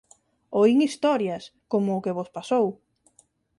Oín historias, como o que vos pasou.